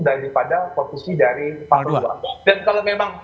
daripada posisi dari pasuan dua